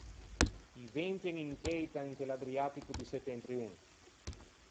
I venti en in cheita inte l’Adriatico do settentrion.